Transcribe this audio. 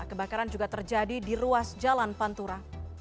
kebakaran juga terjadi di ruas jalan pantura